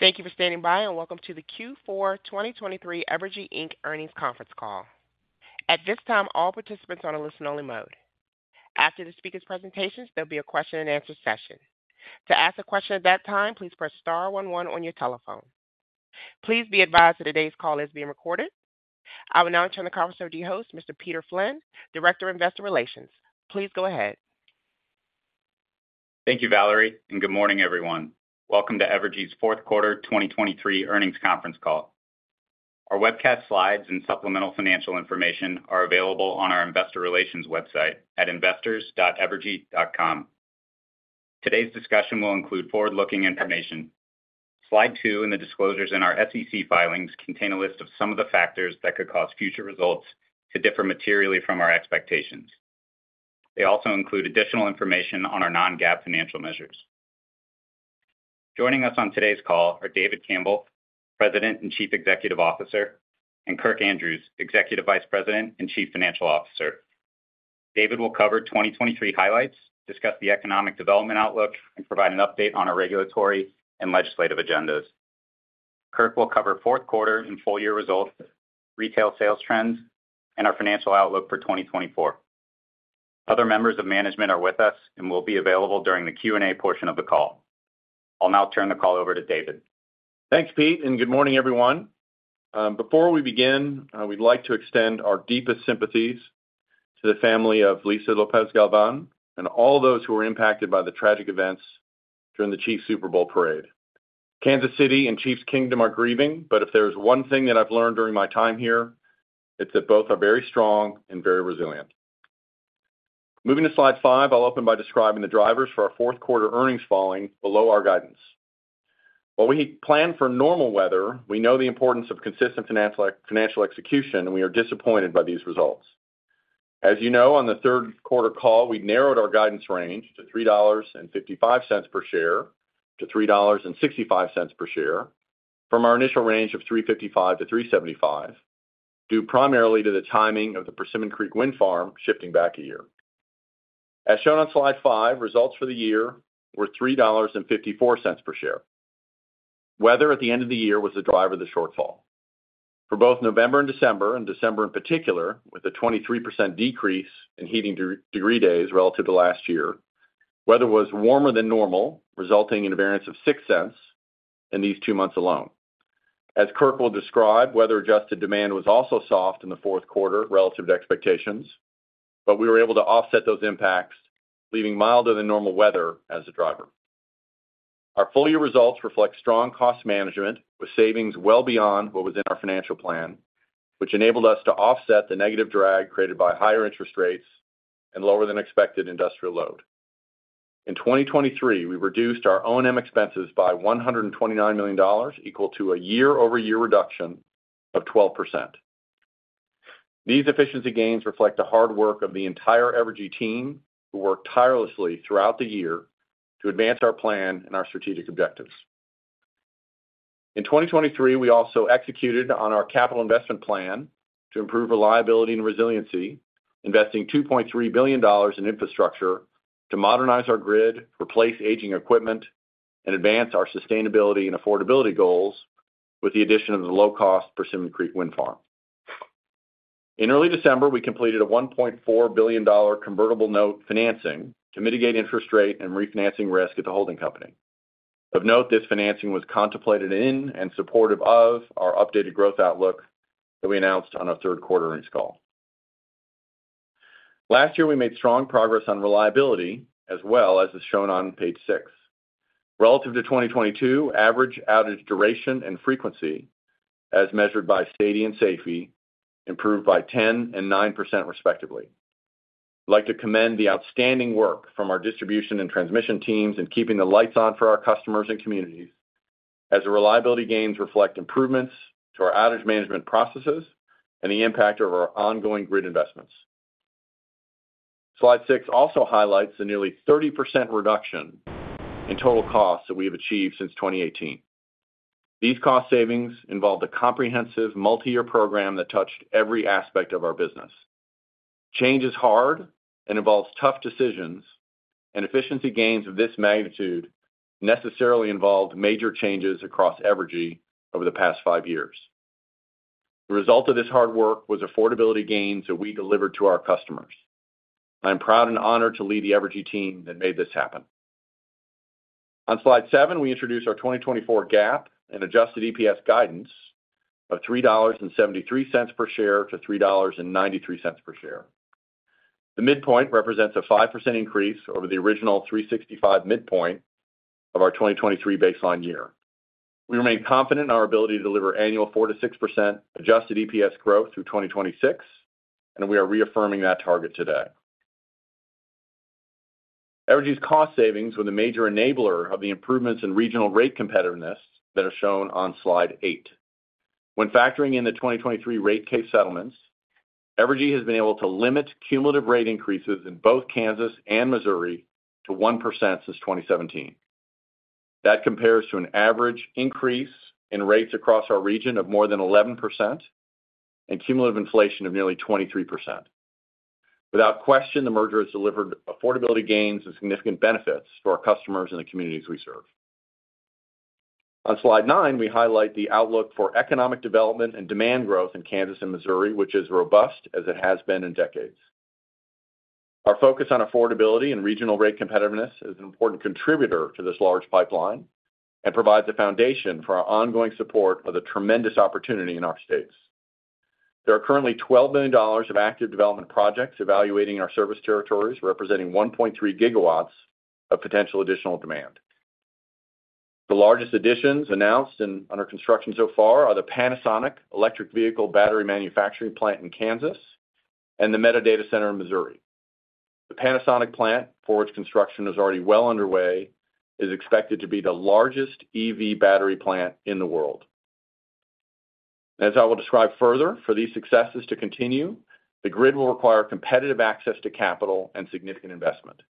Thank you for standing by and welcome to the Q4 2023 Evergy Inc. earnings conference call. At this time, all participants are on a listen-only mode. After the speakers' presentations, there'll be a question-and-answer session. To ask a question at that time, please press star 11 on your telephone. Please be advised that today's call is being recorded. I will now turn the conference over to your host, Mr. Peter Flynn, Director of Investor Relations. Please go ahead. Thank you, Valerie, and good morning, everyone. Welcome to Evergy's fourth quarter 2023 earnings conference call. Our webcast slides and supplemental financial information are available on our Investor Relations website at investors.evergy.com. Today's discussion will include forward-looking information. Slide two and the disclosures in our SEC filings contain a list of some of the factors that could cause future results to differ materially from our expectations. They also include additional information on our non-GAAP financial measures. Joining us on today's call are David Campbell, President and Chief Executive Officer, and Kirk Andrews, Executive Vice President and Chief Financial Officer. David will cover 2023 highlights, discuss the economic development outlook, and provide an update on our regulatory and legislative agendas. Kirk will cover fourth quarter and full-year results, retail sales trends, and our financial outlook for 2024. Other members of management are with us and will be available during the Q&A portion of the call. I'll now turn the call over to David. Thanks, Pete, and good morning, everyone. Before we begin, we'd like to extend our deepest sympathies to the family of Lisa Lopez-Galvan and all those who were impacted by the tragic events during the Chiefs Super Bowl parade. Kansas City and Chiefs Kingdom are grieving, but if there is one thing that I've learned during my time here, it's that both are very strong and very resilient. Moving to slide five, I'll open by describing the drivers for our fourth quarter earnings falling below our guidance. While we plan for normal weather, we know the importance of consistent financial execution, and we are disappointed by these results. As you know, on the third quarter call, we narrowed our guidance range to $3.55 per share to $3.65 per share from our initial range of $3.55 to $3.75 due primarily to the timing of the Persimmon Creek wind farm shifting back a year. As shown on slide five, results for the year were $3.54 per share. Weather at the end of the year was the driver of the shortfall. For both November and December, and December in particular with a 23% decrease in Heating Degree Days relative to last year, weather was warmer than normal, resulting in a variance of $0.06 in these two months alone. As Kirk will describe, weather-adjusted demand was also soft in the fourth quarter relative to expectations, but we were able to offset those impacts, leaving milder than normal weather as a driver. Our full-year results reflect strong cost management with savings well beyond what was in our financial plan, which enabled us to offset the negative drag created by higher interest rates and lower-than-expected industrial load. In 2023, we reduced our O&M expenses by $129 million, equal to a year-over-year reduction of 12%. These efficiency gains reflect the hard work of the entire Evergy team who worked tirelessly throughout the year to advance our plan and our strategic objectives. In 2023, we also executed on our capital investment plan to improve reliability and resiliency, investing $2.3 billion in infrastructure to modernize our grid, replace aging equipment, and advance our sustainability and affordability goals with the addition of the low-cost Persimmon Creek wind farm. In early December, we completed a $1.4 billion convertible note financing to mitigate interest rate and refinancing risk at the holding company. Of note, this financing was contemplated in and supportive of our updated growth outlook that we announced on our third quarter earnings call. Last year, we made strong progress on reliability, as well as is shown on page six. Relative to 2022, average outage duration and frequency, as measured by SAIDI and SAIFI, improved by 10% and 9%, respectively. I'd like to commend the outstanding work from our distribution and transmission teams in keeping the lights on for our customers and communities, as the reliability gains reflect improvements to our outage management processes and the impact of our ongoing grid investments. Slide six also highlights the nearly 30% reduction in total costs that we have achieved since 2018. These cost savings involved a comprehensive multi-year program that touched every aspect of our business. Change is hard and involves tough decisions, and efficiency gains of this magnitude necessarily involved major changes across Evergy over the past five years. The result of this hard work was affordability gains that we delivered to our customers. I am proud and honored to lead the Evergy team that made this happen. On slide seven, we introduce our 2024 GAAP and adjusted EPS guidance of $3.73 per share to $3.93 per share. The midpoint represents a 5% increase over the original 3.65 midpoint of our 2023 baseline year. We remain confident in our ability to deliver annual 4%-6% adjusted EPS growth through 2026, and we are reaffirming that target today. Evergy's cost savings were the major enabler of the improvements in regional rate competitiveness that are shown on slide eight. When factoring in the 2023 rate case settlements, Evergy has been able to limit cumulative rate increases in both Kansas and Missouri to 1% since 2017. That compares to an average increase in rates across our region of more than 11% and cumulative inflation of nearly 23%. Without question, the merger has delivered affordability gains and significant benefits for our customers and the communities we serve. On slide nine, we highlight the outlook for economic development and demand growth in Kansas and Missouri, which is robust as it has been in decades. Our focus on affordability and regional rate competitiveness is an important contributor to this large pipeline and provides a foundation for our ongoing support of the tremendous opportunity in our states. There are currently $12 million of active development projects evaluating our service territories, representing 1.3 GW of potential additional demand. The largest additions announced and under construction so far are the Panasonic Electric Vehicle Battery Manufacturing Plant in Kansas and the Meta Data Center in Missouri. The Panasonic plant, for which construction is already well underway, is expected to be the largest EV battery plant in the world. As I will describe further, for these successes to continue, the grid will require competitive access to capital and significant investment.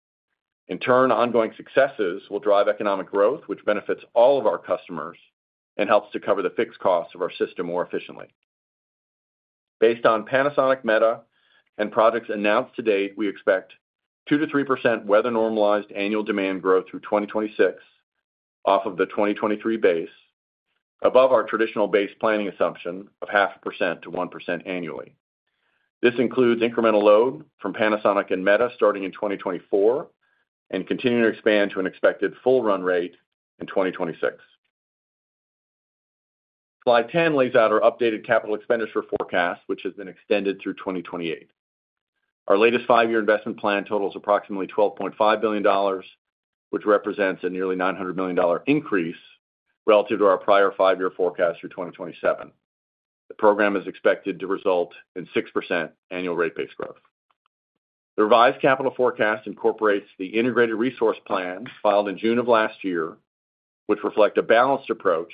In turn, ongoing successes will drive economic growth, which benefits all of our customers and helps to cover the fixed costs of our system more efficiently. Based on Panasonic, Meta, and projects announced to date, we expect 2%-3% weather-normalized annual demand growth through 2026 off of the 2023 base, above our traditional base planning assumption of 0.5%-1% annually. This includes incremental load from Panasonic and Meta starting in 2024 and continuing to expand to an expected full-run rate in 2026. Slide 10 lays out our updated capital expenditure forecast, which has been extended through 2028. Our latest five-year investment plan totals approximately $12.5 billion, which represents a nearly $900 million increase relative to our prior five-year forecast through 2027. The program is expected to result in 6% annual rate base growth. The revised capital forecast incorporates the integrated resource plan filed in June of last year, which reflects a balanced approach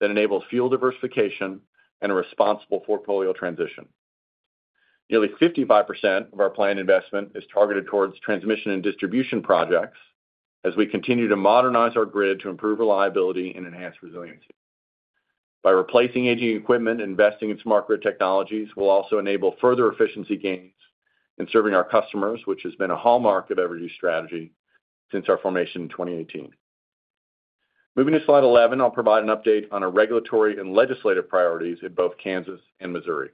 that enables fuel diversification and a responsible portfolio transition. Nearly 55% of our planned investment is targeted towards transmission and distribution projects as we continue to modernize our grid to improve reliability and enhance resiliency. By replacing aging equipment and investing in smart grid technologies, we'll also enable further efficiency gains in serving our customers, which has been a hallmark of Evergy's strategy since our formation in 2018. Moving to slide 11, I'll provide an update on our regulatory and legislative priorities in both Kansas and Missouri.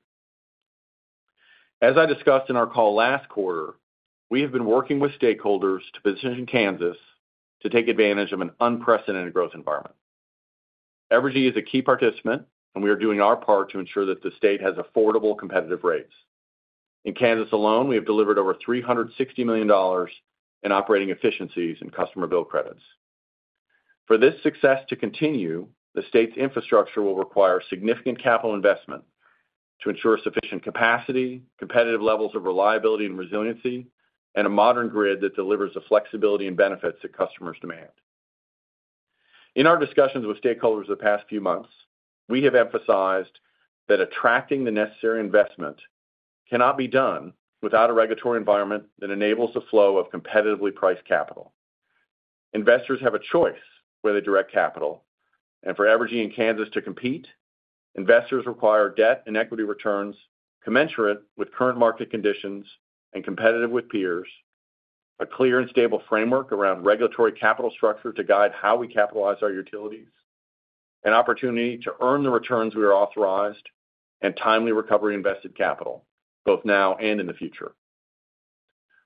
As I discussed in our call last quarter, we have been working with stakeholders to position Kansas to take advantage of an unprecedented growth environment. Evergy is a key participant, and we are doing our part to ensure that the state has affordable competitive rates. In Kansas alone, we have delivered over $360 million in operating efficiencies and customer bill credits. For this success to continue, the state's infrastructure will require significant capital investment to ensure sufficient capacity, competitive levels of reliability and resiliency, and a modern grid that delivers the flexibility and benefits that customers demand. In our discussions with stakeholders the past few months, we have emphasized that attracting the necessary investment cannot be done without a regulatory environment that enables the flow of competitively priced capital. Investors have a choice where they direct capital, and for Evergy and Kansas to compete, investors require debt and equity returns commensurate with current market conditions and competitive with peers, a clear and stable framework around regulatory capital structure to guide how we capitalize our utilities, an opportunity to earn the returns we are authorized, and timely recovery invested capital, both now and in the future.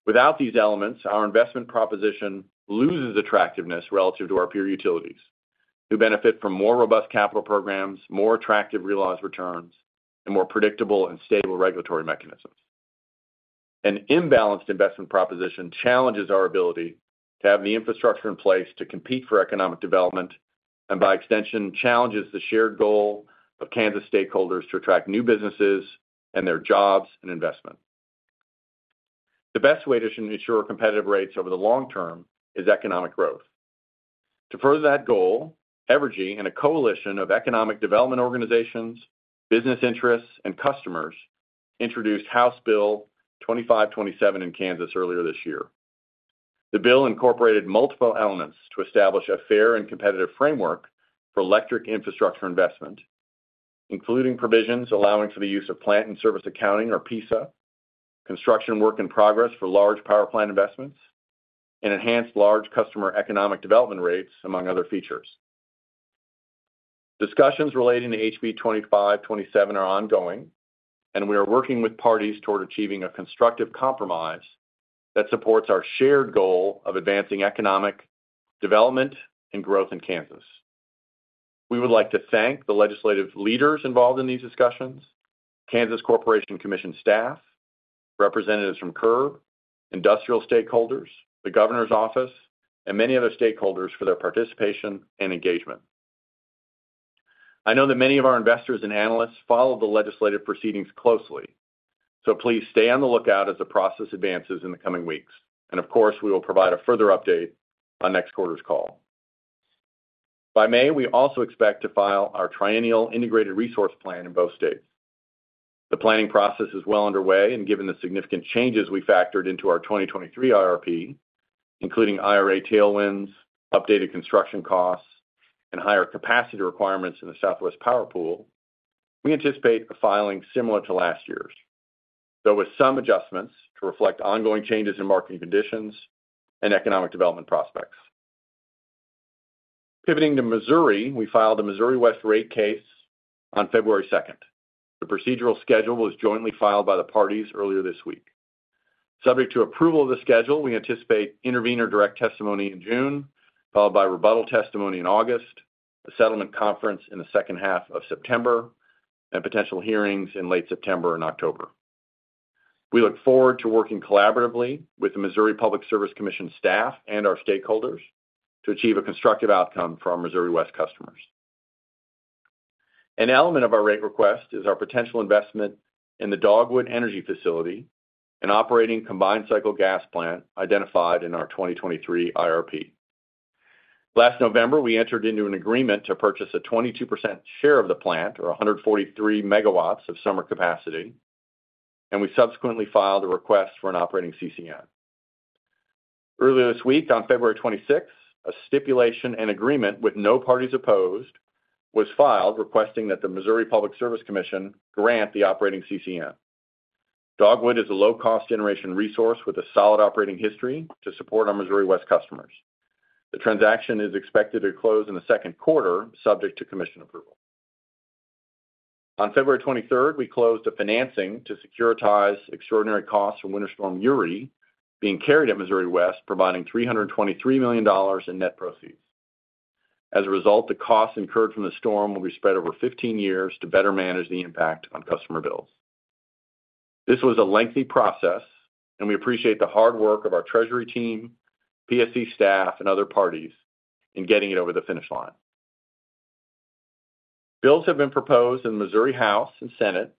Without these elements, our investment proposition loses attractiveness relative to our peer utilities, who benefit from more robust capital programs, more attractive realized returns, and more predictable and stable regulatory mechanisms. An imbalanced investment proposition challenges our ability to have the infrastructure in place to compete for economic development and, by extension, challenges the shared goal of Kansas stakeholders to attract new businesses and their jobs and investment. The best way to ensure competitive rates over the long term is economic growth. To further that goal, Evergy and a coalition of economic development organizations, business interests, and customers introduced House Bill 2527 in Kansas earlier this year. The bill incorporated multiple elements to establish a fair and competitive framework for electric infrastructure investment, including provisions allowing for the use of plant in service accounting, or PISA, construction work in progress for large power plant investments, and enhanced large customer economic development rates, among other features. Discussions relating to HB 2527 are ongoing, and we are working with parties toward achieving a constructive compromise that supports our shared goal of advancing economic development and growth in Kansas. We would like to thank the legislative leaders involved in these discussions, Kansas Corporation Commission staff, representatives from CURB, industrial stakeholders, the governor's office, and many other stakeholders for their participation and engagement. I know that many of our investors and analysts follow the legislative proceedings closely, so please stay on the lookout as the process advances in the coming weeks. And of course, we will provide a further update on next quarter's call. By May, we also expect to file our triennial integrated resource plan in both states. The planning process is well underway, and given the significant changes we factored into our 2023 IRP, including IRA tailwinds, updated construction costs, and higher capacity requirements in the Southwest Power Pool, we anticipate a filing similar to last year's, though with some adjustments to reflect ongoing changes in marketing conditions and economic development prospects. Pivoting to Missouri, we filed the Missouri West rate case on February 2nd. The procedural schedule was jointly filed by the parties earlier this week. Subject to approval of the schedule, we anticipate intervenor direct testimony in June, followed by rebuttal testimony in August, a settlement conference in the second half of September, and potential hearings in late September and October. We look forward to working collaboratively with the Missouri Public Service Commission staff and our stakeholders to achieve a constructive outcome for our Missouri West customers. An element of our rate request is our potential investment in the Dogwood Energy Facility, an operating combined cycle gas plant identified in our 2023 IRP. Last November, we entered into an agreement to purchase a 22% share of the plant, or 143 MW of summer capacity, and we subsequently filed a request for an operating CCN. Earlier this week, on February 26th, a stipulation and agreement with no parties opposed was filed requesting that the Missouri Public Service Commission grant the operating CCN. Dogwood is a low-cost generation resource with a solid operating history to support our Missouri West customers. The transaction is expected to close in the second quarter, subject to commission approval. On February 23rd, we closed a financing to securitize extraordinary costs from Winter Storm Uri being carried at Missouri West, providing $323 million in net proceeds. As a result, the costs incurred from the storm will be spread over 15 years to better manage the impact on customer bills. This was a lengthy process, and we appreciate the hard work of our Treasury team, PSC staff, and other parties in getting it over the finish line. Bills have been proposed in the Missouri House and Senate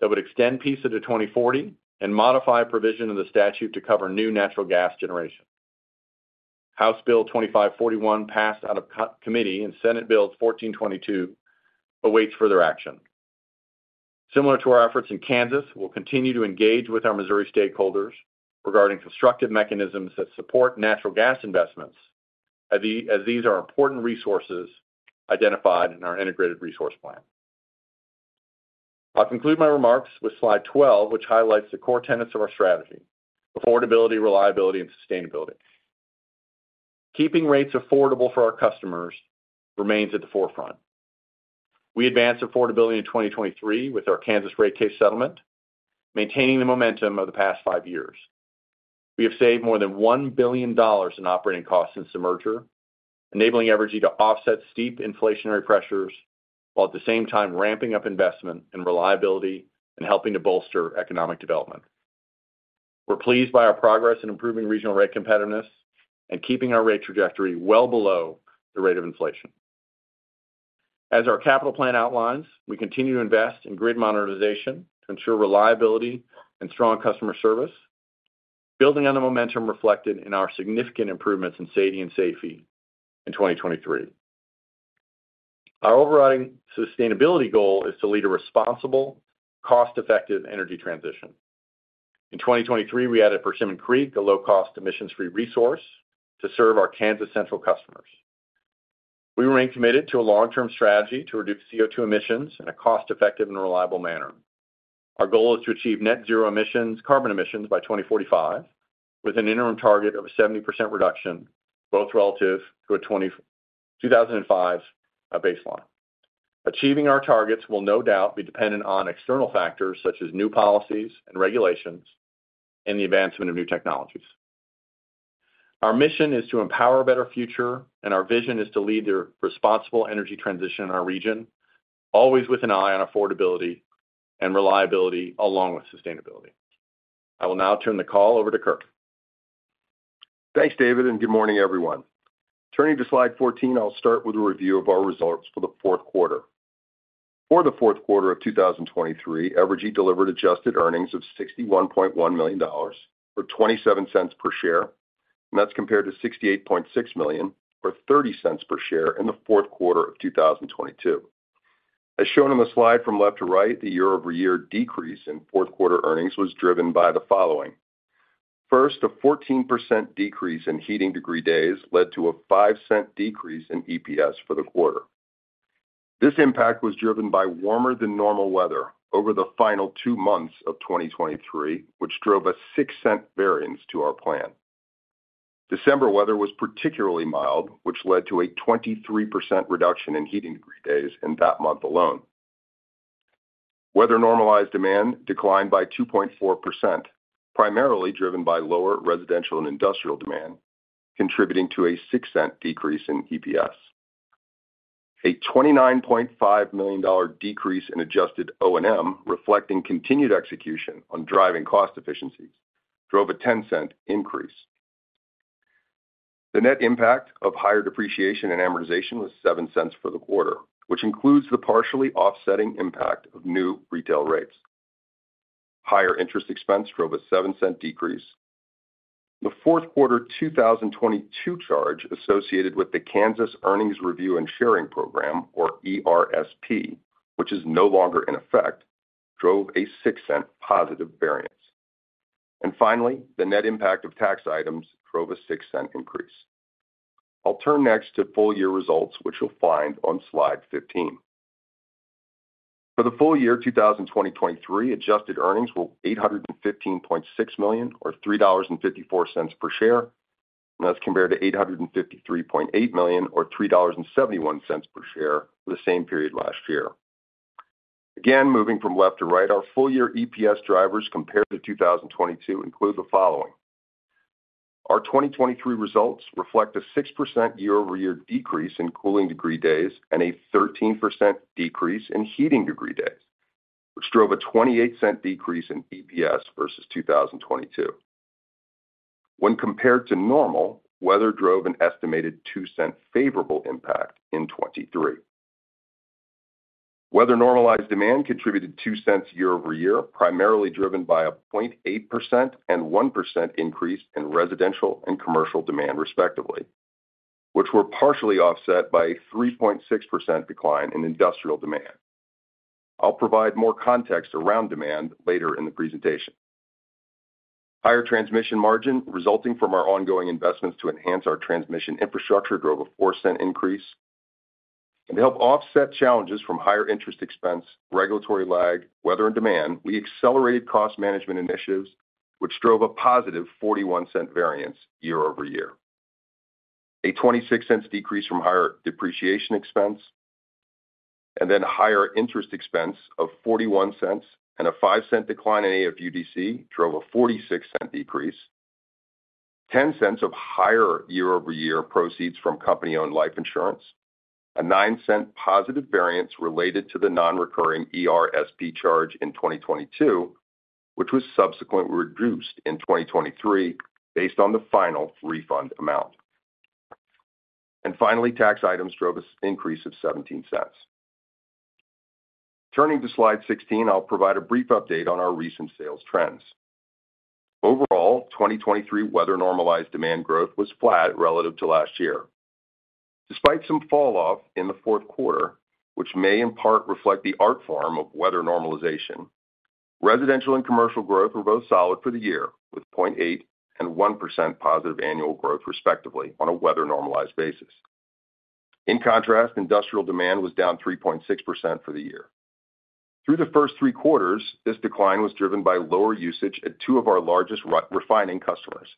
that would extend PISA to 2040 and modify a provision in the statute to cover new natural gas generation. House Bill 2541 passed out of committee, and Senate Bill 1422 awaits further action. Similar to our efforts in Kansas, we'll continue to engage with our Missouri stakeholders regarding constructive mechanisms that support natural gas investments as these are important resources identified in our integrated resource plan. I'll conclude my remarks with slide 12, which highlights the core tenets of our strategy: affordability, reliability, and sustainability. Keeping rates affordable for our customers remains at the forefront. We advance affordability in 2023 with our Kansas rate case settlement, maintaining the momentum of the past five years. We have saved more than $1 billion in operating costs since the merger, enabling Evergy to offset steep inflationary pressures while at the same time ramping up investment and reliability and helping to bolster economic development. We're pleased by our progress in improving regional rate competitiveness and keeping our rate trajectory well below the rate of inflation. As our capital plan outlines, we continue to invest in grid modernization to ensure reliability and strong customer service, building on the momentum reflected in our significant improvements in SAIDI and SAIFI in 2023. Our overriding sustainability goal is to lead a responsible, cost-effective energy transition. In 2023, we added Persimmon Creek, a low-cost, emissions-free resource to serve our Kansas Central customers. We remain committed to a long-term strategy to reduce CO2 emissions in a cost-effective and reliable manner. Our goal is to achieve net-zero carbon emissions by 2045 with an interim target of a 70% reduction, both relative to a 2005 baseline. Achieving our targets will no doubt be dependent on external factors such as new policies and regulations and the advancement of new technologies. Our mission is to empower a better future, and our vision is to lead the responsible energy transition in our region, always with an eye on affordability and reliability along with sustainability. I will now turn the call over to Kirk. Thanks, David, and good morning, everyone. Turning to slide 14, I'll start with a review of our results for the fourth quarter. For the fourth quarter of 2023, Evergy delivered adjusted earnings of $61.1 million or $0.27 per share, and that's compared to $68.6 million or $0.30 per share in the fourth quarter of 2022. As shown on the slide from left to right, the year-over-year decrease in fourth quarter earnings was driven by the following: first, a 14% decrease in heating degree days led to a $0.05 decrease in EPS for the quarter. This impact was driven by warmer-than-normal weather over the final two months of 2023, which drove a $0.06 variance to our plan. December weather was particularly mild, which led to a 23% reduction in heating degree days in that month alone. Weather-normalized demand declined by 2.4%, primarily driven by lower residential and industrial demand, contributing to a $0.6 decrease in EPS. A $29.5 million decrease in adjusted O&M, reflecting continued execution on driving cost efficiencies, drove a $0.10 increase. The net impact of higher depreciation and amortization was $0.7 for the quarter, which includes the partially offsetting impact of new retail rates. Higher interest expense drove a $0.7 decrease. The fourth quarter 2022 charge associated with the Kansas Earnings Review and Sharing Program, or ERSP, which is no longer in effect, drove a $0.6 positive variance. And finally, the net impact of tax items drove a $0.6 increase. I'll turn next to full-year results, which you'll find on slide 15. For the full year 2023, adjusted earnings were $815.6 million or $3.54 per share, and that's compared to $853.8 million or $3.71 per share for the same period last year. Again, moving from left to right, our full-year EPS drivers compared to 2022 include the following: our 2023 results reflect a 6% year-over-year decrease in cooling degree days and a 13% decrease in heating degree days, which drove a $0.28 decrease in EPS versus 2022. When compared to normal, weather drove an estimated $0.02 favorable impact in 2023. Weather-normalized demand contributed $0.02 year-over-year, primarily driven by a 0.8% and 1% increase in residential and commercial demand, respectively, which were partially offset by a 3.6% decline in industrial demand. I'll provide more context around demand later in the presentation. Higher transmission margin resulting from our ongoing investments to enhance our transmission infrastructure drove a $0.04 increase. And to help offset challenges from higher interest expense, regulatory lag, weather, and demand, we accelerated cost management initiatives, which drove a positive $0.41 variance year-over-year. A $0.26 decrease from higher depreciation expense and then higher interest expense of $0.41 and a $0.05 decline in AFUDC drove a $0.46 decrease. $0.10 of higher year-over-year proceeds from company-owned life insurance, a $0.09 positive variance related to the non-recurring ERSP charge in 2022, which was subsequently reduced in 2023 based on the final refund amount. Finally, tax items drove an increase of $0.17. Turning to slide 16, I'll provide a brief update on our recent sales trends. Overall, 2023 weather-normalized demand growth was flat relative to last year. Despite some falloff in the fourth quarter, which may in part reflect the artifact of weather normalization, residential and commercial growth were both solid for the year, with 0.8% and 1% positive annual growth, respectively, on a weather-normalized basis. In contrast, industrial demand was down 3.6% for the year. Through the first three quarters, this decline was driven by lower usage at two of our largest refining customers,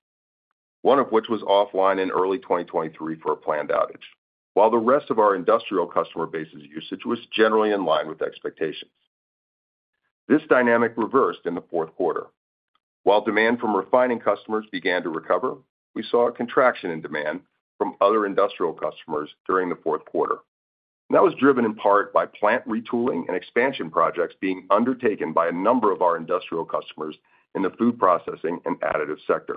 one of which was offline in early 2023 for a planned outage, while the rest of our industrial customer base's usage was generally in line with expectations. This dynamic reversed in the fourth quarter. While demand from refining customers began to recover, we saw a contraction in demand from other industrial customers during the fourth quarter. That was driven in part by plant retooling and expansion projects being undertaken by a number of our industrial customers in the food processing and additive sector.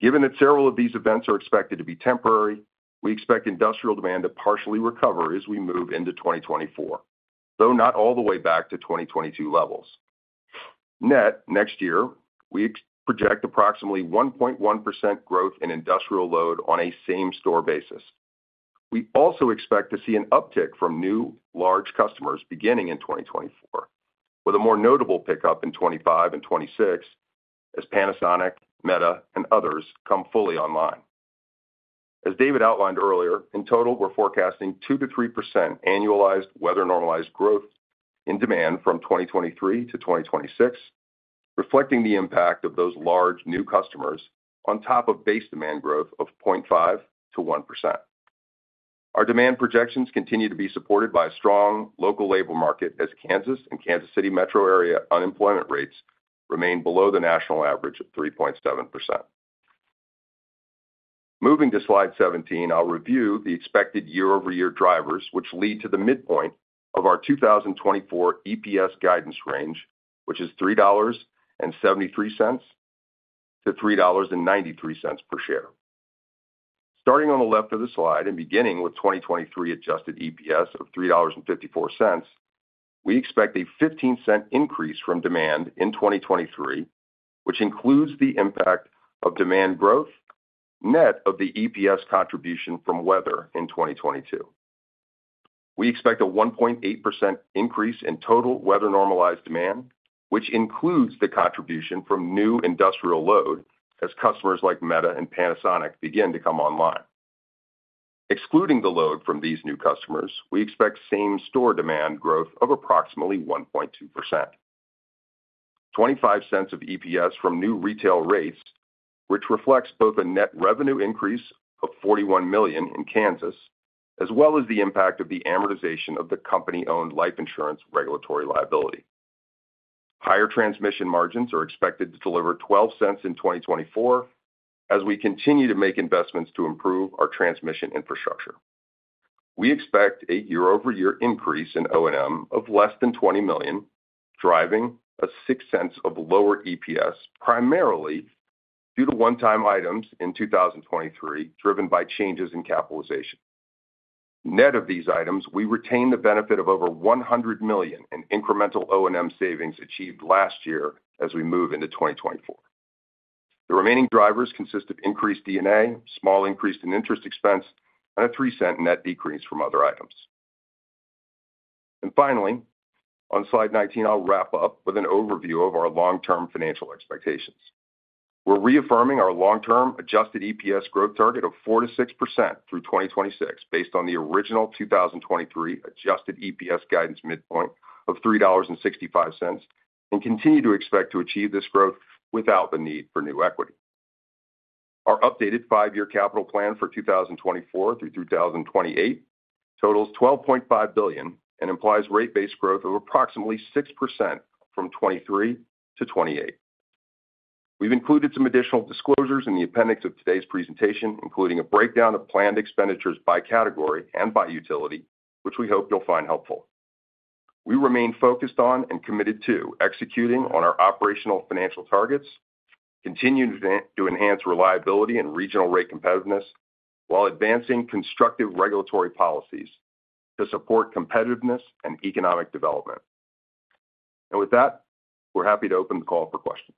Given that several of these events are expected to be temporary, we expect industrial demand to partially recover as we move into 2024, though not all the way back to 2022 levels. Net, next year, we project approximately 1.1% growth in industrial load on a same-store basis. We also expect to see an uptick from new large customers beginning in 2024, with a more notable pickup in 2025 and 2026 as Panasonic, Meta, and others come fully online. As David outlined earlier, in total, we're forecasting 2%-3% annualized weather-normalized growth in demand from 2023 to 2026, reflecting the impact of those large new customers on top of base demand growth of 0.5%-1%. Our demand projections continue to be supported by a strong local labor market as Kansas and Kansas City Metro area unemployment rates remain below the national average of 3.7%. Moving to slide 17, I'll review the expected year-over-year drivers, which lead to the midpoint of our 2024 EPS guidance range, which is $3.73-$3.93 per share. Starting on the left of the slide and beginning with 2023 adjusted EPS of $3.54, we expect a $0.15 increase from demand in 2023, which includes the impact of demand growth net of the EPS contribution from weather in 2022. We expect a 1.8% increase in total weather-normalized demand, which includes the contribution from new industrial load as customers like Meta and Panasonic begin to come online. Excluding the load from these new customers, we expect same-store demand growth of approximately 1.2%. $0.25 of EPS from new retail rates, which reflects both a net revenue increase of $41 million in Kansas as well as the impact ofd the amortization of the company-owned life insurance regulatory liability. Higher transmission margins are expected to deliver $0.12 in 2024 as we continue to make investments to improve our transmission infrastructure. We expect a year-over-year increase in O&M of less than $20 million, driving $0.06 of lower EPS, primarily due to one-time items in 2023 driven by changes in capitalization. Net of these items, we retain the benefit of over $100 million in incremental O&M savings achieved last year as we move into 2024. The remaining drivers consist of increased D&A, small increase in interest expense, and a $0.03 net decrease from other items. And finally, on slide 19, I'll wrap up with an overview of our long-term financial expectations. We're reaffirming our long-term adjusted EPS growth target of 4%-6% through 2026 based on the original 2023 adjusted EPS guidance midpoint of $3.65 and continue to expect to achieve this growth without the need for new equity. Our updated five-year capital plan for 2024 through 2028 totals $12.5 billion and implies rate base growth of approximately 6% from 2023 to 2028. We've included some additional disclosures in the appendix of today's presentation, including a breakdown of planned expenditures by category and by utility, which we hope you'll find helpful. We remain focused on and committed to executing on our operational financial targets, continue to enhance reliability and regional rate competitiveness, while advancing constructive regulatory policies to support competitiveness and economic development. And with that, we're happy to open the call for questions.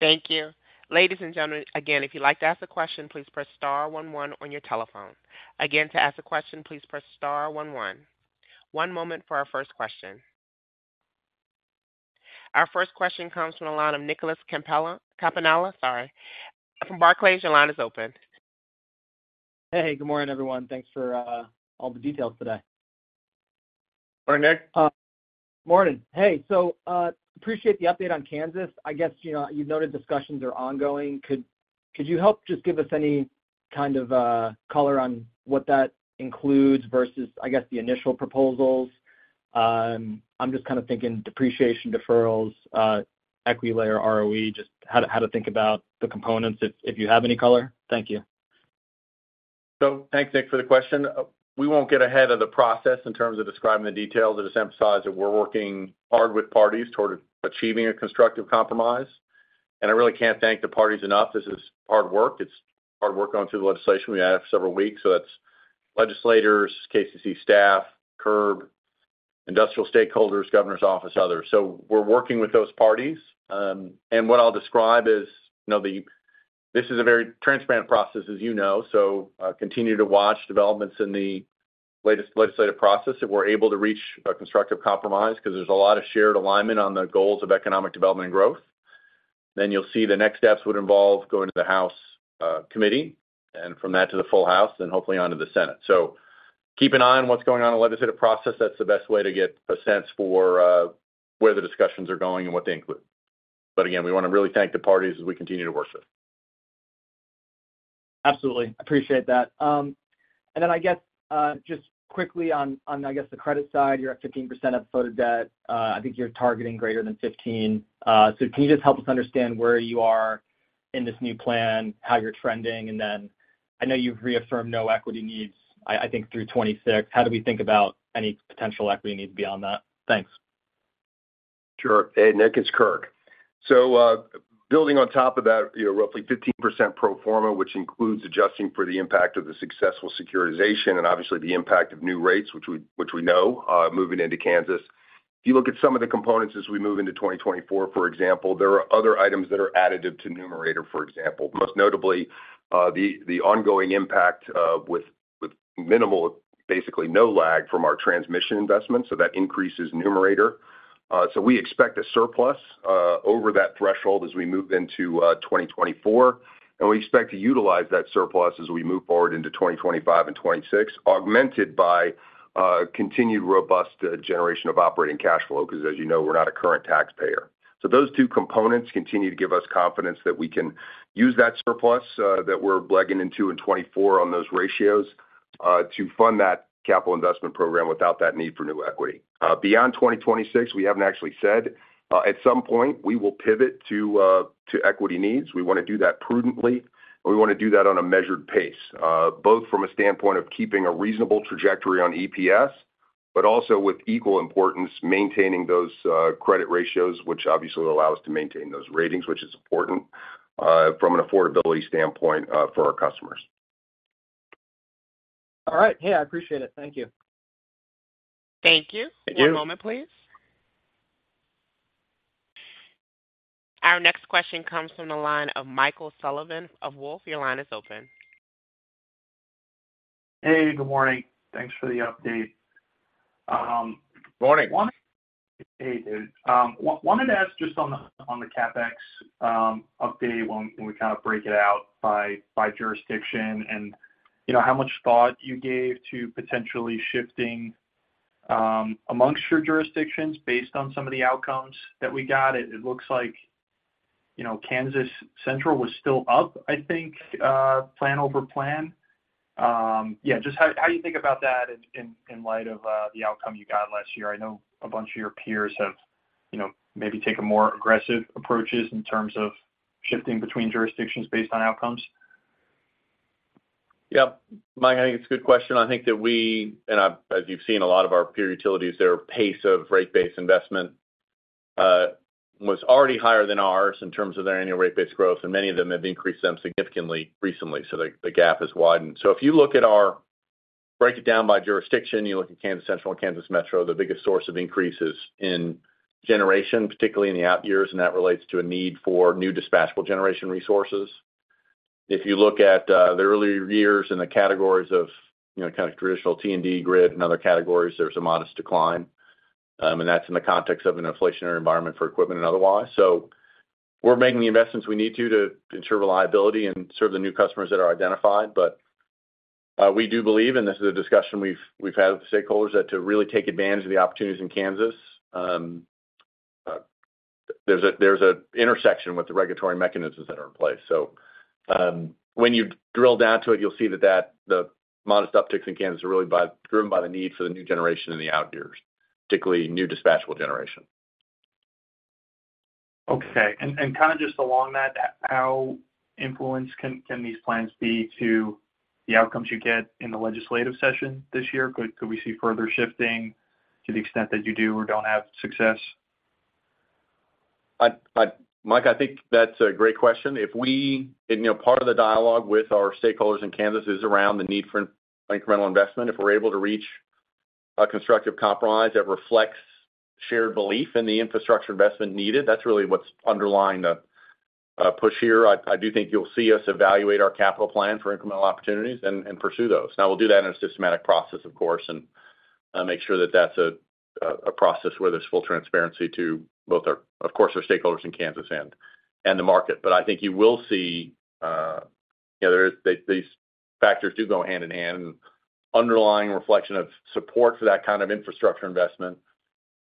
Thank you. Ladies and gentlemen, again, if you'd like to ask a question, please press star 11 on your telephone. Again, to ask a question, please press star 11. One moment for our first question. Our first question comes from Nick Campanella. Sorry. From Barclays, your line is open. Hey, good morning, everyone. Thanks for all the details today. Morning, Nick. Morning. Hey, so appreciate the update on Kansas. I guess you've noted discussions are ongoing. Could you help just give us any kind of color on what that includes versus, I guess, the initial proposals? I'm just kind of thinking depreciation, deferrals, equity layer, ROE, just how to think about the components if you have any color. Thank you. So thanks, Nick, for the question. We won't get ahead of the process in terms of describing the details. It just emphasized that we're working hard with parties toward achieving a constructive compromise. And I really can't thank the parties enough. This is hard work. It's hard work going through the legislation. We have several weeks. So that's legislators, KCC staff, CURB, industrial stakeholders, governor's office, others. So we're working with those parties. And what I'll describe is this is a very transparent process, as you know. So continue to watch developments in the latest legislative process if we're able to reach a constructive compromise because there's a lot of shared alignment on the goals of economic development and growth. Then you'll see the next steps would involve going to the House committee and from that to the full House, then hopefully onto the Senate. Keep an eye on what's going on in the legislative process. That's the best way to get a sense for where the discussions are going and what they include. Again, we want to really thank the parties as we continue to work with. Absolutely. I appreciate that. And then I guess just quickly on, I guess, the credit side, you're at 15% of the total debt. I think you're targeting greater than 15. So can you just help us understand where you are in this new plan, how you're trending? And then I know you've reaffirmed no equity needs, I think, through 2026. How do we think about any potential equity needs beyond that? Thanks. Sure. Hey, Nick, it's Kirk. So building on top of that, roughly 15% pro forma, which includes adjusting for the impact of the successful securitization and obviously the impact of new rates, which we know, moving into Kansas. If you look at some of the components as we move into 2024, for example, there are other items that are additive to numerator, for example, most notably the ongoing impact with minimal, basically no lag from our transmission investments. So that increases numerator. So we expect a surplus over that threshold as we move into 2024. And we expect to utilize that surplus as we move forward into 2025 and 2026, augmented by continued robust generation of operating cash flow because, as you know, we're not a current taxpayer. So those two components continue to give us confidence that we can use that surplus that we're leveraging into in 2024 on those ratios to fund that capital investment program without that need for new equity. Beyond 2026, we haven't actually said. At some point, we will pivot to equity needs. We want to do that prudently. And we want to do that on a measured pace, both from a standpoint of keeping a reasonable trajectory on EPS, but also with equal importance maintaining those credit ratios, which obviously will allow us to maintain those ratings, which is important from an affordability standpoint for our customers. All right. Hey, I appreciate it. Thank you. Thank you. Thank you. One moment, please. Our next question comes from the line of Michael Sullivan of Wolfe. Your line is open. Hey, good morning. Thanks for the update. Morning. Hey, dude. Wanted to ask just on the CapEx update when we kind of break it out by jurisdiction and how much thought you gave to potentially shifting amongst your jurisdictions based on some of the outcomes that we got. It looks like Kansas Central was still up, I think, plan over plan. Yeah, just how do you think about that in light of the outcome you got last year? I know a bunch of your peers have maybe taken more aggressive approaches in terms of shifting between jurisdictions based on outcomes. Yep. Mike, I think it's a good question. I think that we and as you've seen in a lot of our peer utilities, their pace of rate-based investment was already higher than ours in terms of their annual rate based growth. And many of them have increased them significantly recently. So the gap has widened. So if you look at our break it down by jurisdiction, you look at Kansas Central and Kansas Metro, the biggest source of increases in generation, particularly in the out years, and that relates to a need for new dispatchable generation resources. If you look at the earlier years in the categories of kind of traditional T&D, grid, and other categories, there's a modest decline. And that's in the context of an inflationary environment for equipment and otherwise. So we're making the investments we need to to ensure reliability and serve the new customers that are identified. But we do believe, and this is a discussion we've had with the stakeholders, that to really take advantage of the opportunities in Kansas, there's an intersection with the regulatory mechanisms that are in place. So when you drill down to it, you'll see that the modest upticks in Kansas are really driven by the need for the new generation in the out years, particularly new dispatchable generation. Okay. And kind of just along that, how influenced can these plans be to the outcomes you get in the legislative session this year? Could we see further shifting to the extent that you do or don't have success? Mike, I think that's a great question. Part of the dialogue with our stakeholders in Kansas is around the need for incremental investment. If we're able to reach a constructive compromise that reflects shared belief in the infrastructure investment needed, that's really what's underlying the push here. I do think you'll see us evaluate our capital plan for incremental opportunities and pursue those. Now, we'll do that in a systematic process, of course, and make sure that that's a process where there's full transparency to both, of course, our stakeholders in Kansas and the market. But I think you will see these factors do go hand in hand. And underlying reflection of support for that kind of infrastructure investment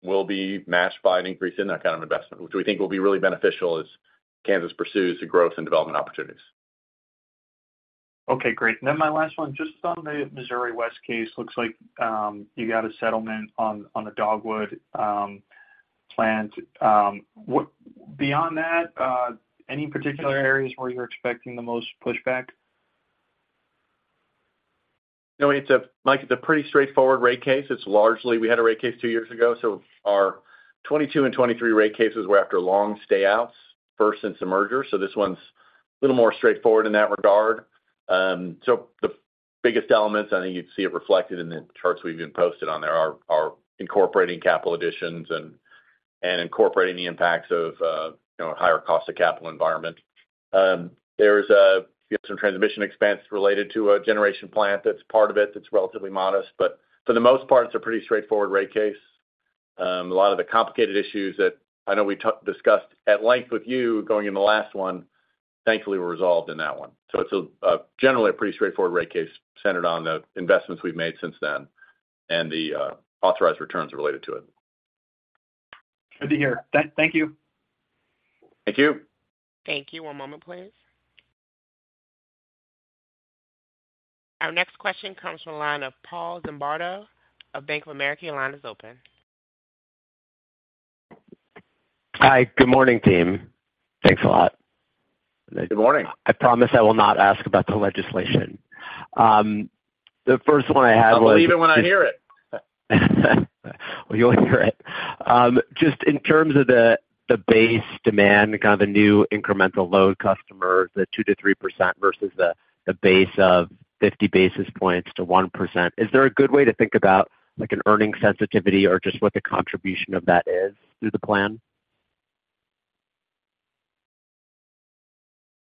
will be matched by an increase in that kind of investment, which we think will be really beneficial as Kansas pursues the growth and development opportunities. Okay, great. And then my last one, just on the Missouri West case, looks like you got a settlement on the Dogwood plant. Beyond that, any particular areas where you're expecting the most pushback? No, Mike, it's a pretty straightforward rate case. We had a rate case two years ago. So our 2022 and 2023 rate cases were after long stayouts, first since the merger. So this one's a little more straightforward in that regard. So the biggest elements, I think you'd see it reflected in the charts we've even posted on there, are incorporating capital additions and incorporating the impacts of a higher cost of capital environment. There's some transmission expense related to a generation plant that's part of it that's relatively modest. But for the most part, it's a pretty straightforward rate case. A lot of the complicated issues that I know we discussed at length with you going into the last one, thankfully, were resolved in that one. So it's generally a pretty straightforward rate case centered on the investments we've made since then and the authorized returns related to it. Good to hear. Thank you. Thank you. Thank you. One moment, please. Our next question comes from the line of Paul Zimbardo of Bank of America. Your line is open. Hi. Good morning, team. Thanks a lot. Good morning. I promise I will not ask about the legislation. The first one I had was. I'll believe it when I hear it. Well, you'll hear it. Just in terms of the base demand, kind of the new incremental load customers, the 2%-3% versus the base of 50 basis points to 1%, is there a good way to think about an earnings sensitivity or just what the contribution of that is through the plan?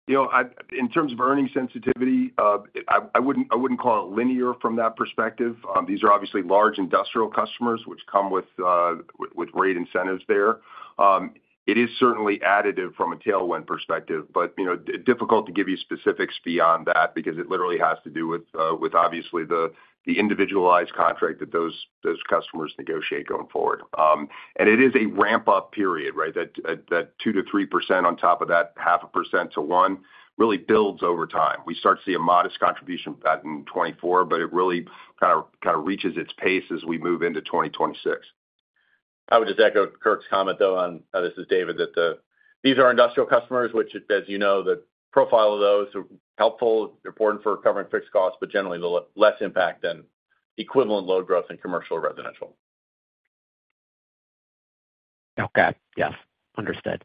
In terms of earnings sensitivity, I wouldn't call it linear from that perspective. These are obviously large industrial customers, which come with rate incentives there. It is certainly additive from a tailwind perspective, but difficult to give you specifics beyond that because it literally has to do with, obviously, the individualized contract that those customers negotiate going forward. It is a ramp-up period, right? That 2%-3% on top of that 0.5%-1% really builds over time. We start to see a modest contribution back in 2024, but it really kind of reaches its pace as we move into 2026. I would just echo Kirk's comment, though, on this. This is David, that these are industrial customers, which, as you know, the profile of those who are helpful, important for covering fixed costs, but generally less impact than equivalent load growth in commercial or residential. Okay. Yes. Understood.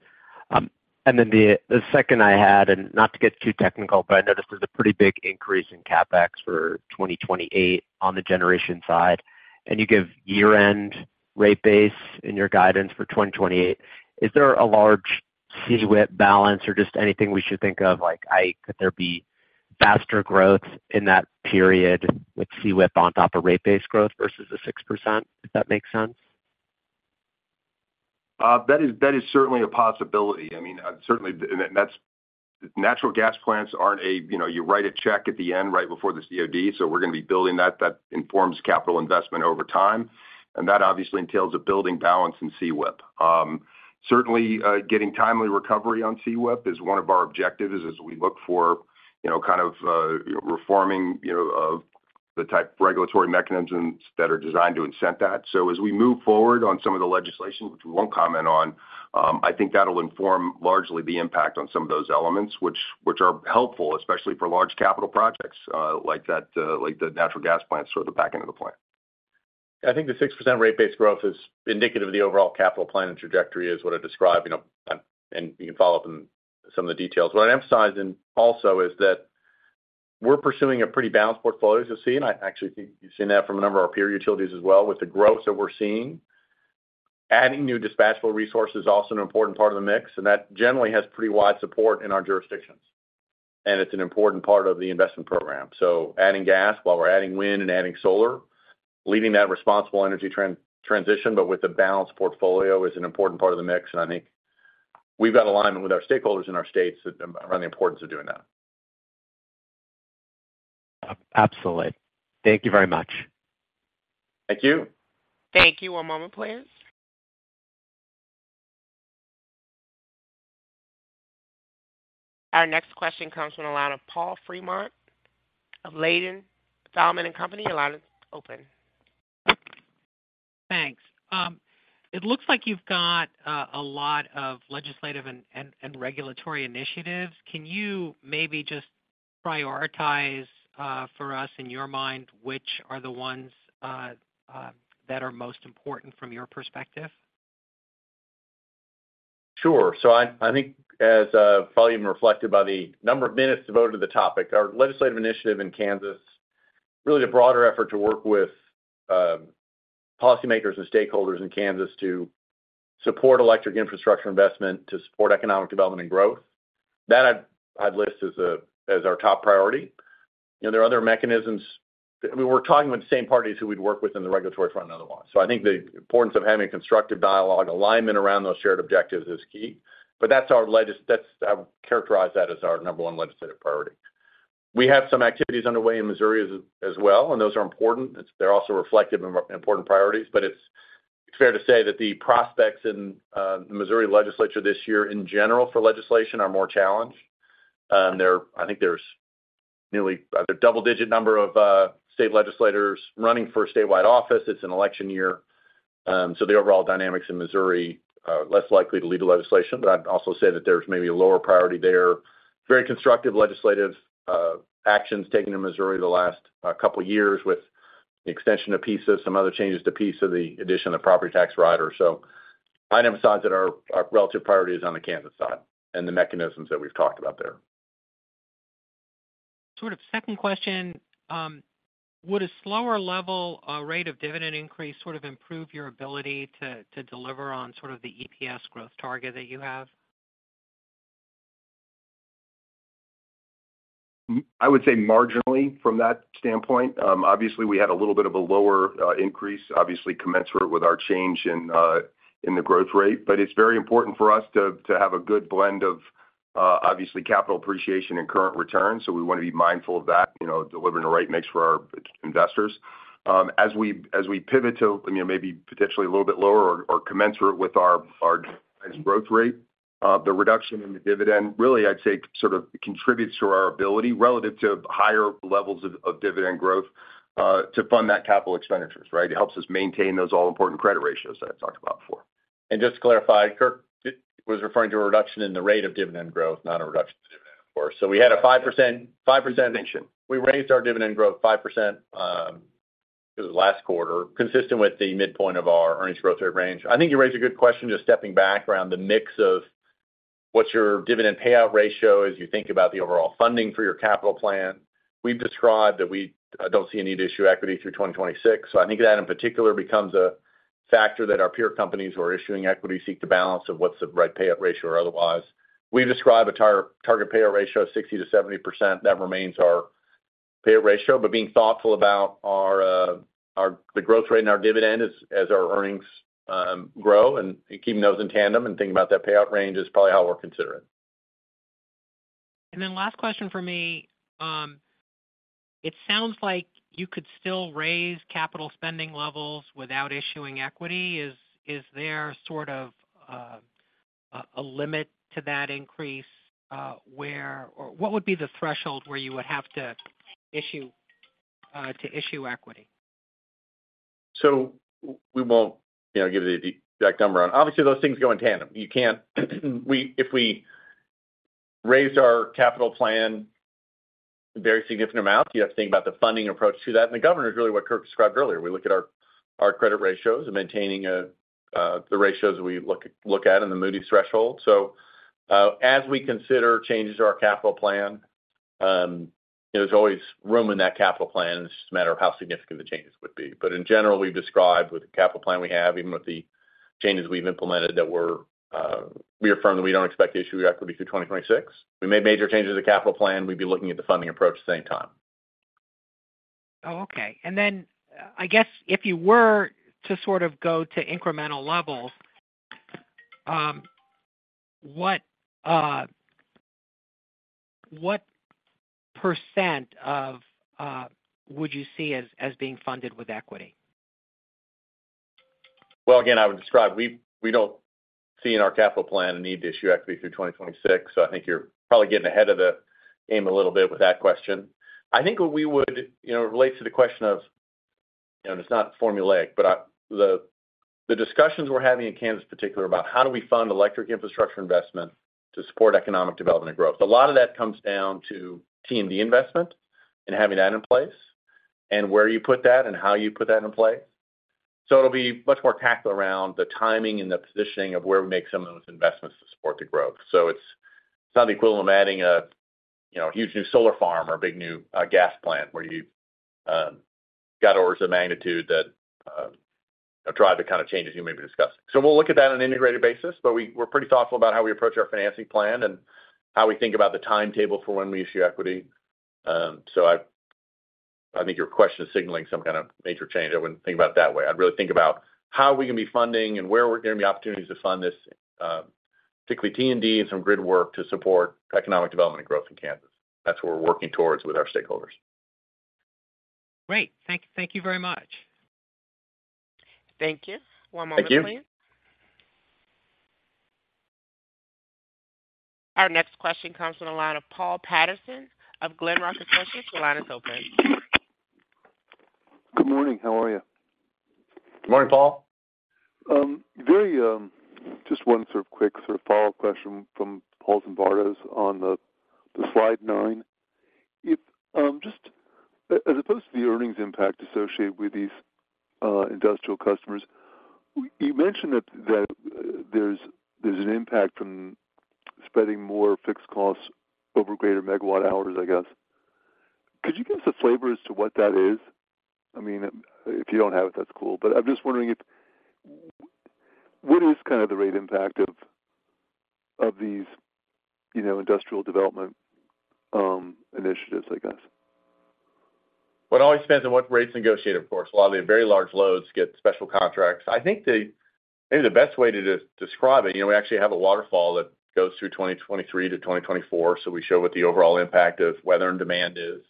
And then the second I had, and not to get too technical, but I noticed there's a pretty big increase in CapEx for 2028 on the generation side. And you give year-end rate base in your guidance for 2028. Is there a large CWIP balance or just anything we should think of? Could there be faster growth in that period with CWIP on top of rate base growth versus the 6%, if that makes sense? That is certainly a possibility. I mean, certainly, natural gas plants aren't a "you write a check" at the end right before the COD. So we're going to be building that. That informs capital investment over time. And that obviously entails a building balance in CWIP. Certainly, getting timely recovery on CWIP is one of our objectives as we look for kind of reforming the type of regulatory mechanisms that are designed to incent that. So as we move forward on some of the legislation, which we won't comment on, I think that'll inform largely the impact on some of those elements, which are helpful, especially for large capital projects like the natural gas plants toward the back end of the plan. I think the 6% rate base growth is indicative of the overall capital planning trajectory as what I described. You can follow up in some of the details. What I'd emphasize also is that we're pursuing a pretty balanced portfolio, as you'll see. I actually think you've seen that from a number of our peer utilities as well with the growth that we're seeing. Adding new dispatchable resources is also an important part of the mix. That generally has pretty wide support in our jurisdictions. It's an important part of the investment program. So adding gas while we're adding wind and adding solar, leading that responsible energy transition, but with a balanced portfolio is an important part of the mix. I think we've got alignment with our stakeholders in our states around the importance of doing that. Absolutely. Thank you very much. Thank you. Thank you. One moment, please. Our next question comes from the line of Paul Fremont of Ladenburg Thalmann & Company. Your line is open. Thanks. It looks like you've got a lot of legislative and regulatory initiatives. Can you maybe just prioritize for us, in your mind, which are the ones that are most important from your perspective? Sure. So I think, probably even reflected by the number of minutes devoted to the topic, our legislative initiative in Kansas, really the broader effort to work with policymakers and stakeholders in Kansas to support electric infrastructure investment, to support economic development and growth, that I'd list as our top priority. There are other mechanisms. We're talking with the same parties who we'd work with in the regulatory front and otherwise. So I think the importance of having a constructive dialogue, alignment around those shared objectives is key. But I would characterize that as our number 1 legislative priority. We have some activities underway in Missouri as well, and those are important. They're also reflective and important priorities. But it's fair to say that the prospects in the Missouri legislature this year, in general, for legislation are more challenged. I think there's nearly a double-digit number of state legislators running for statewide office. It's an election year. So the overall dynamics in Missouri, less likely to lead to legislation. But I'd also say that there's maybe a lower priority there. Very constructive legislative actions taken in Missouri the last couple of years with the extension of PISA, some other changes to PISA, the addition of the property tax rider. So I'd emphasize that our relative priority is on the Kansas side and the mechanisms that we've talked about there. Sort of second question, would a slower level rate of dividend increase sort of improve your ability to deliver on sort of the EPS growth target that you have? I would say marginally from that standpoint. Obviously, we had a little bit of a lower increase, obviously, commensurate with our change in the growth rate. But it's very important for us to have a good blend of, obviously, capital appreciation and current return. So we want to be mindful of that, delivering the right mix for our investors. As we pivot to maybe potentially a little bit lower or commensurate with our growth rate, the reduction in the dividend, really, I'd say, sort of contributes to our ability relative to higher levels of dividend growth to fund that capital expenditures, right? It helps us maintain those all-important credit ratios that I talked about before. Just to clarify, Kirk was referring to a reduction in the rate of dividend growth, not a reduction in dividend, of course. We had a 5%. Extension. We raised our dividend growth 5% because it was last quarter, consistent with the midpoint of our earnings growth rate range. I think you raised a good question just stepping back around the mix of what's your dividend payout ratio as you think about the overall funding for your capital plan. We've described that we don't see a need to issue equity through 2026. So I think that, in particular, becomes a factor that our peer companies who are issuing equity seek to balance of what's the right payout ratio or otherwise. We've described a target payout ratio of 60%-70%. That remains our payout ratio. But being thoughtful about the growth rate and our dividend as our earnings grow and keeping those in tandem and thinking about that payout range is probably how we're considering it. Then last question for me. It sounds like you could still raise capital spending levels without issuing equity. Is there sort of a limit to that increase where or what would be the threshold where you would have to issue equity? So we won't give you the exact number on. Obviously, those things go in tandem. If we raised our capital plan a very significant amount, you have to think about the funding approach to that. And the governance is really what Kirk described earlier. We look at our credit ratios and maintaining the ratios that we look at and the Moody's threshold. So as we consider changes to our capital plan, there's always room in that capital plan. It's just a matter of how significant the changes would be. But in general, we've described with the capital plan we have, even with the changes we've implemented, that we affirm that we don't expect to issue equity through 2026. We made major changes to the capital plan. We'd be looking at the funding approach at the same time. Oh, okay. And then I guess if you were to sort of go to incremental levels, what % would you see as being funded with equity? Well, again, I would describe we don't see in our capital plan a need to issue equity through 2026. So I think you're probably getting ahead of the game a little bit with that question. I think what we would relate to the question of, and it's not formulaic, but the discussions we're having in Kansas, in particular, about how do we fund electric infrastructure investment to support economic development and growth? A lot of that comes down to T&D investment and having that in place and where you put that and how you put that in place. So it'll be much more tactical around the timing and the positioning of where we make some of those investments to support the growth. So it's not the equivalent of adding a huge new solar farm or a big new gas plant where you've got orders of magnitude that drive the kind of changes you may be discussing. So we'll look at that on an integrated basis. But we're pretty thoughtful about how we approach our financing plan and how we think about the timetable for when we issue equity. So I think your question is signaling some kind of major change. I wouldn't think about it that way. I'd really think about how we can be funding and where we're going to be opportunities to fund this, particularly T&D and some grid work to support economic development and growth in Kansas. That's what we're working towards with our stakeholders. Great. Thank you very much. Thank you. One moment, please. Thank you. Our next question comes from the line of Paul Patterson of Glenrock Associates. Your line is open. Good morning. How are you? Good morning, Paul. Just one sort of quick sort of follow-up question from Paul Zimbardo on the slide nine. As opposed to the earnings impact associated with these industrial customers, you mentioned that there's an impact from spending more fixed costs over greater megawatt hours, I guess. Could you give us a flavor as to what that is? I mean, if you don't have it, that's cool. But I'm just wondering what is kind of the rate impact of these industrial development initiatives, I guess? Well, it always depends on what rates negotiate, of course. A lot of the very large loads get special contracts. I think maybe the best way to describe it, we actually have a waterfall that goes through 2023 to 2024. So we show what the overall impact of weather and demand is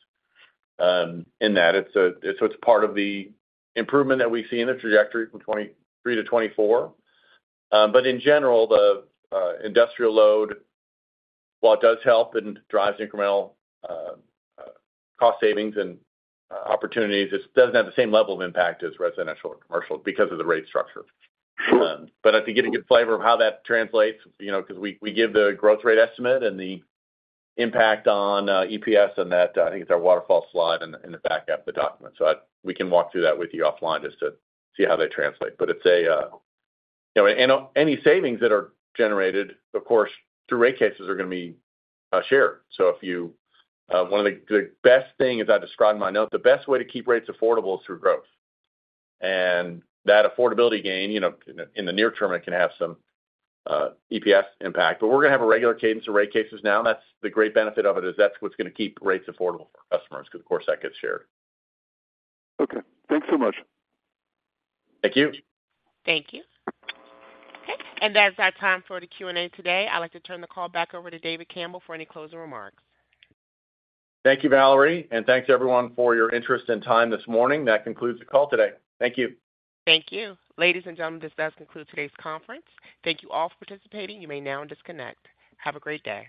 in that. So it's part of the improvement that we see in the trajectory from 2023 to 2024. But in general, the industrial load, while it does help and drives incremental cost savings and opportunities, it doesn't have the same level of impact as residential or commercial because of the rate structure. But to get a good flavor of how that translates because we give the growth rate estimate and the impact on EPS on that, I think it's our waterfall slide in the back half of the document. So we can walk through that with you offline just to see how they translate. But it's, and any savings that are generated, of course, through rate cases are going to be shared. So one of the best things I described in my note, the best way to keep rates affordable is through growth. And that affordability gain, in the near term, it can have some EPS impact. But we're going to have a regular cadence of rate cases now. And that's the great benefit of it is that's what's going to keep rates affordable for our customers because, of course, that gets shared. Okay. Thanks so much. Thank you. Thank you. Okay. That's our time for the Q&A today. I'd like to turn the call back over to David Campbell for any closing remarks. Thank you, Valerie. Thanks, everyone, for your interest and time this morning. That concludes the call today. Thank you. Thank you. Ladies and gentlemen, this does conclude today's conference. Thank you all for participating. You may now disconnect. Have a great day.